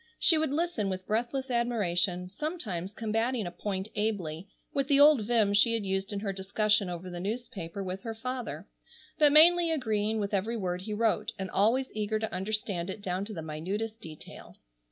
She would listen with breathless admiration, sometimes combating a point ably, with the old vim she had used in her discussion over the newspaper with her father, but mainly agreeing with every word he wrote, and always eager to understand it down to the minutest detail.